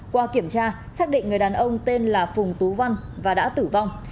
qua kiểm tra xác định người đàn ông tên là phùng tú văn và đã tử vong